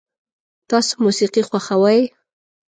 تاسو موسیقي خوښوئ؟